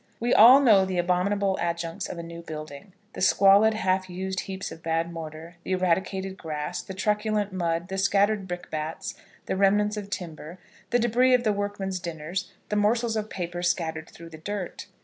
We all know the abominable adjuncts of a new building, the squalid half used heaps of bad mortar, the eradicated grass, the truculent mud, the scattered brickbats, the remnants of timber, the debris of the workmen's dinners, the morsels of paper scattered through the dirt!